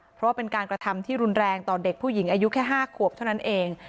เพราะว่าเป็นการกระทำที่รุนแรงต่อเด็กผู้หญิงอายุแค่๕ขวบเท่านั้นเอง